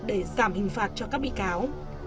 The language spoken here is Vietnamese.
để giảm hình phạt cho các bị cáo